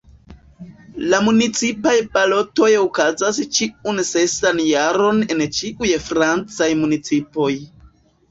La municipaj balotoj okazas ĉiun sesan jaron en ĉiuj francaj municipoj.